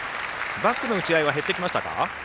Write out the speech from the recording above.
バックの打ち合いは減ってきましたか？